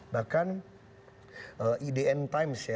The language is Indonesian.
bahkan idn times